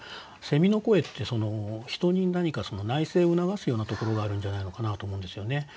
の声って人に何か内省を促すようなところがあるんじゃないのかなと思うんですよね。